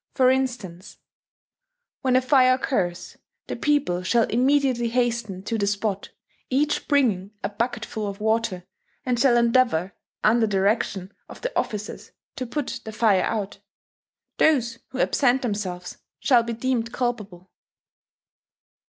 for instance: "When a fire occurs, the people shall immediately hasten to the spot, each bringing a bucketful of water, and shall endeavour, under direction of the officers, to put the fire out .... Those who absent themselves shall be deemed culpable.